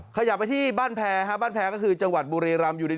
ขยับไปที่บ้านแพ้บ้านแพ้ก็คือจังหวัดบุรีรำอยู่ดี